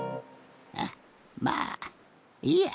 あっまあいいや。